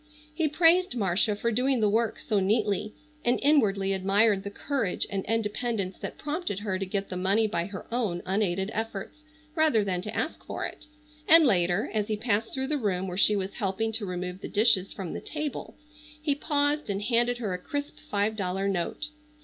He praised Marcia for doing the work so neatly, and inwardly admired the courage and independence that prompted her to get the money by her own unaided efforts rather than to ask for it, and later, as he passed through the room where she was helping to remove the dishes from the table, he paused and handed her a crisp five dollar note.